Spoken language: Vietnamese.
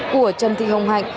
của trần thị hồng hạnh